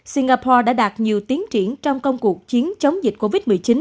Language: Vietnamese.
singapore đã đạt nhiều tiến triển trong công cuộc chiến chống dịch covid một mươi chín